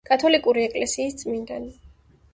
კათოლიკური ეკლესიის წმინდანი.